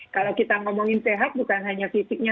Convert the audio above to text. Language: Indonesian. kalau kita ngomongin sehat bukan hanya fisiknya